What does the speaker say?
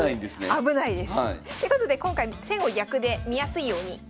危ないです。ということで今回先後逆で見やすいように。